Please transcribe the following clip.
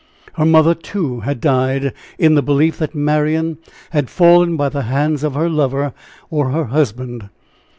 Her mother, too, had died in the belief that Marian had fallen by the hands of her lover or her husband.